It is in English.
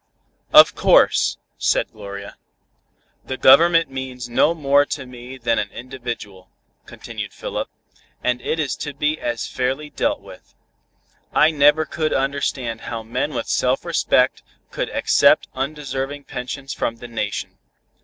"Of course," said Gloria. "The Government means no more to me than an individual," continued Philip, "and it is to be as fairly dealt with. I never could understand how men with self respect could accept undeserving pensions from the Nation.